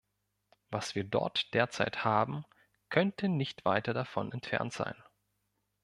Was wir dort derzeit haben, könnte nicht weiter davon entfernt sein.